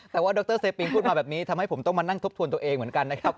แต่ว่าดรเซปิงพูดมาแบบนี้ทำให้ผมต้องมานั่งทบทวนตัวเองเหมือนกันนะครับ